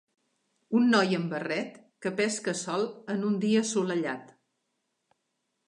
Un noi amb barret que pesca sol en un dia assolellat.